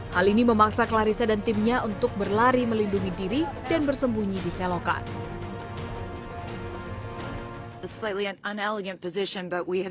hal ini memaksa clarissa dan timnya untuk berlari melindungi diri dan bersembunyi di selokan